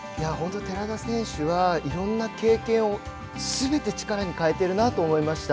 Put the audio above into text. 寺田選手はいろんな経験をすべて力に変えているなと思いました。